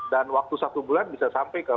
waktu satu bulan bisa sampai ke